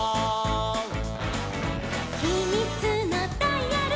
「ひみつのダイヤル」